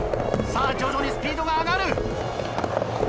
さぁ徐々にスピードが上がる。